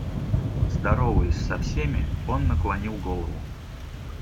Здороваясь со всеми, он наклонил голову.